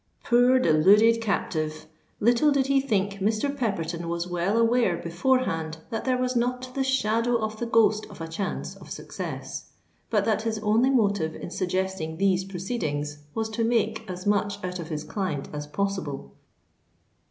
Poor, deluded captive! Little did he think Mr. Pepperton was well aware beforehand that there was not the shadow of the ghost of a chance of success; but that his only motive in suggesting these proceedings was to make as much out of his client as possible.